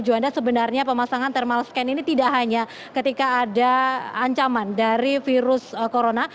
juanda sebenarnya pemasangan thermal scan ini tidak hanya ketika ada ancaman dari virus corona